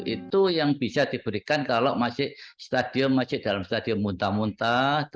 itu yang bisa diberikan kalau masih dalam stadium muntah muntah